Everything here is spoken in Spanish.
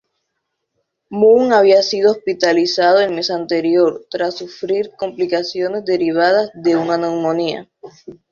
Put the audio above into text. Moon había sido hospitalizado el mes anterior tras sufrir complicaciones derivadas de una neumonía.